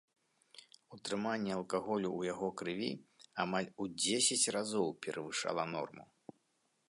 Утрыманне алкаголю ў яго крыві амаль у дзесяць разоў перавышала норму.